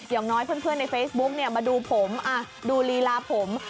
อย่างน้อยเพื่อนในเฟซบุ๊กมาดูผมดูลีลาผม